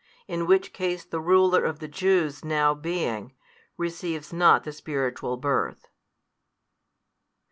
In which case the ruler of the Jews now being, receives not the spiritual birth.